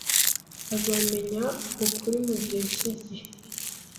Azamenya ukuri mugihe cyigihe